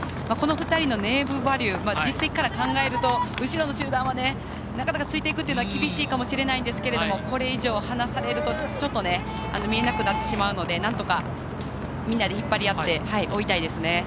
この２人のネームバリュー実績から考えると後ろの集団は、なかなかついていくというのは厳しいかもしれないですけどこれ以上、離されるとちょっと見えなくなってしまうのでなんとかみんなで引っ張り合って追いたいですね。